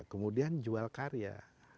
kemudian jual karya